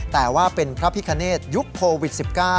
แต่ว่าเป็นพระพิคเนตยุคโควิด๑๙